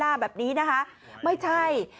คุณผู้ชมแบบนี้นะคะไม่ใช่